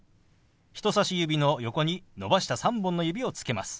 人さし指の横に伸ばした３本の指をつけます。